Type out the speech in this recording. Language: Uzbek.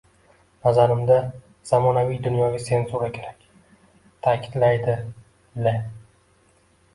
Nazarimda, zamonaviy dunyoga senzura kerak, ta`kidlaydi L